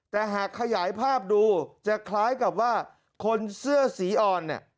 แต่หากขยายภาพดูจะคล้ายกับว่าคนเสื้อสีอ่อนเนี่ย